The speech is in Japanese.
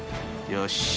よし。